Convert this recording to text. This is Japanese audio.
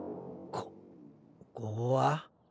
こここは？